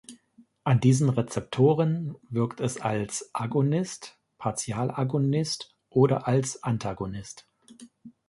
An diesen Rezeptoren wirkt es als Agonist, Partialagonist oder als Antagonist.